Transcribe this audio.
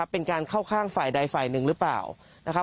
เป็นการเข้าข้างฝ่ายใดฝ่ายหนึ่งหรือเปล่านะครับ